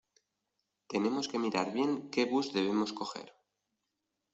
Tenemos que mirar bien qué bus debemos coger.